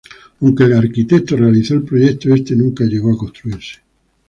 Aunque el arquitecto realizó el proyecto, este nunca llegó a construirse.